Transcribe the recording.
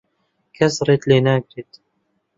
کەس ڕێت لێ ناگرێت.